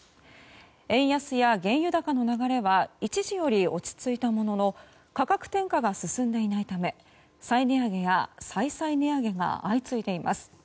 円安や原油高の流れは一時より落ち着いたものの価格転嫁が進んでいないため再値上げや再々値上げが相次いでいます。